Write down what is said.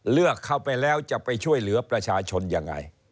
เลือกเข้าไปแล้วจะไปช่วยเหลือประชาชนยังไง